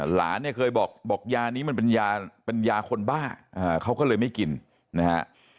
หลานเนี่ยเคยบอกบอกยานี้มันเป็นยาเป็นยาคนบ้าเขาก็เลยไม่กินนะฮะ